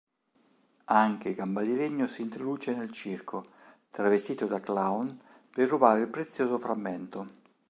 Anche Gambadilegno si introduce nel circo, travestito da clown, per rubare il prezioso frammento.